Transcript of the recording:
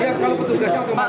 ya kalau petugasnya otomatis